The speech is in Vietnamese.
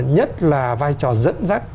nhất là vai trò dẫn dắt